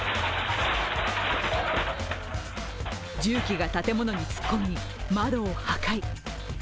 重機が建物に突っ込み、窓を破壊。